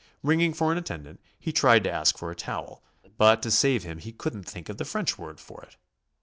Ringing for an attendant, he tried to ask for a towel, but to save him he couldn't think of the French word for it.